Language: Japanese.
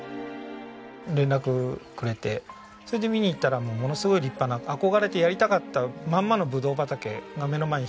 連絡くれてそれで見に行ったらものすごい立派な憧れてやりたかったまんまのぶどう畑が目の前に広がってて。